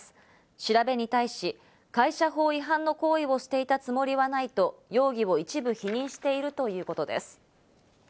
調べに対し、会社法違反の行為をしていたつもりはないと容疑を一部否認しているということです。